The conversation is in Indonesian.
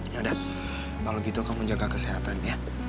yaudah kalau gitu kamu jaga kesehatan ya